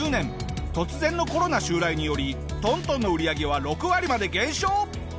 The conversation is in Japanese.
突然のコロナ襲来により東東の売り上げは６割まで減少！